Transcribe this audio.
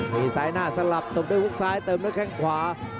มีซ้ายหน้าสลับตบด้วยฮุกซ้ายเติมด้วยแข้งขวา